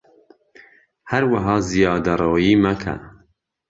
هەروەها زیادەڕەویی مەکە